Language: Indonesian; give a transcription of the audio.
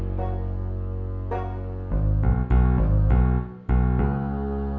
mudah mudahan ber apple ad placed